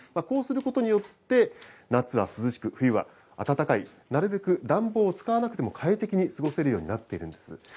こうすることによって、夏は涼しく、冬は暖かい、なるべく暖房を使わなくても快適に過ごせるようになっているんです。